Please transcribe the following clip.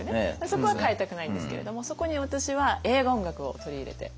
そこは変えたくないんですけれどもそこに私は映画音楽を取り入れて。